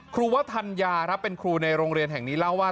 วัฒนยาครับเป็นครูในโรงเรียนแห่งนี้เล่าว่า